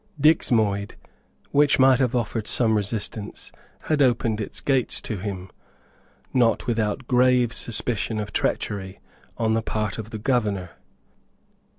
Dixmuyde, which might have offered some resistance, had opened its gates to him, not without grave suspicion of treachery on the part of the governor.